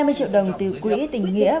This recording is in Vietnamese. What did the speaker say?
hai mươi triệu đồng từ quỹ tỉnh nghĩa